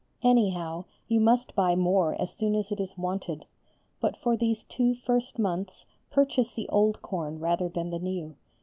Anyhow you must buy more as soon as it is wanted; but for these two first months purchase the old corn rather than the new.